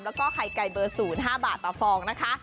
แล้วก็ไข่ไก่เบอร์๐๕บาทต่อฟองนะคะ